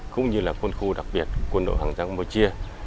cũng như là quân khu đặc biệt quân đội hàng giang môi chia